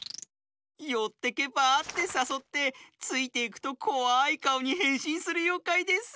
「よってけばあ？」ってさそってついていくとこわいかおにへんしんするようかいです。